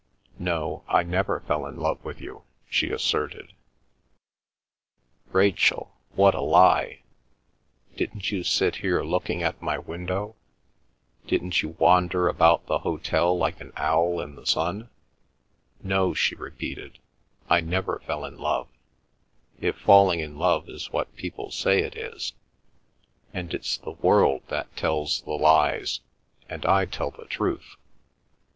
"No, I never fell in love with you," she asserted. "Rachel—what a lie—didn't you sit here looking at my window—didn't you wander about the hotel like an owl in the sun—?" "No," she repeated, "I never fell in love, if falling in love is what people say it is, and it's the world that tells the lies and I tell the truth.